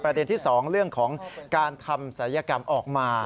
ประเด็นที่๒เรื่องของการทำสรรยากรรมออกมา